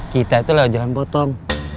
kita itu lewat jalan potong